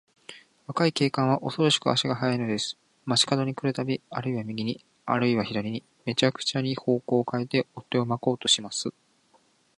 若い警官は、おそろしく足が早いのです。町かどに来るたび、あるいは右に、あるいは左に、めちゃくちゃに方角をかえて、追っ手をまこうとします。